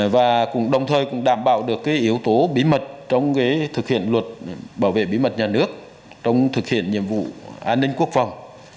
và cũng đồng thời cũng đảm bảo được yếu tố bí mật trong thực hiện luật bảo vệ bí mật nhà nước trong thực hiện nhiệm vụ an ninh quốc phòng